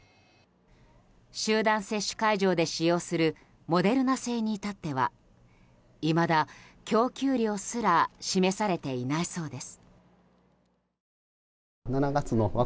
集団接種会場で使用するモデルナ製に至ってはいまだ、供給量すら示されていないそうです。